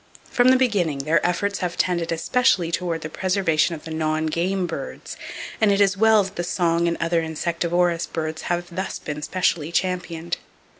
From the beginning, their efforts have tended especially toward the preservation of the non game birds, and it is well that the song and other insectivorous birds have thus been specially championed.